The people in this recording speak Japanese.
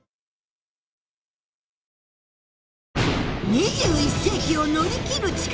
２１世きを乗り切る力。